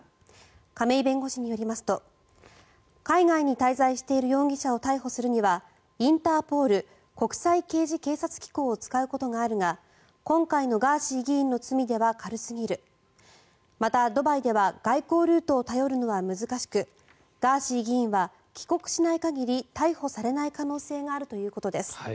亀井弁護士によりますと海外に滞在している容疑者を逮捕するにはインターポール・国際刑事警察機構を使うことがあるが今回のガーシー議員の罪では軽すぎるまた、ドバイでは外交ルートを頼るのは難しくガーシー議員は帰国しない限り逮捕されない可能性があるということです。